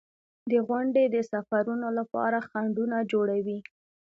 • غونډۍ د سفرونو لپاره خنډونه جوړوي.